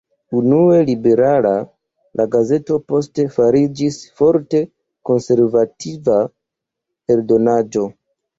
Unue liberala, la gazeto poste fariĝis forte konservativa eldonaĵo.